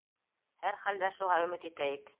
Һәр хәлдә шуға өмөт итәйек!